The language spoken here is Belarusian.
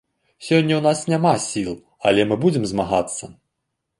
Сёння ў нас няма сіл, але мы будзем змагацца.